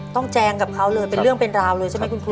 แจงกับเขาเลยเป็นเรื่องเป็นราวเลยใช่ไหมคุณพ่อ